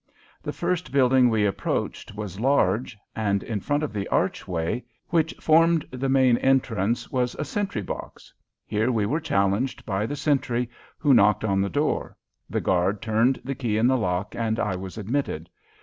The first building we approached was large, and in front of the archway, which formed the main entrance, was a sentry box. Here we were challenged by the sentry, who knocked on the door; the guard turned the key in the lock and I was admitted.